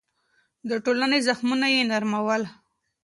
د ټولنې زخمونه يې نرمول.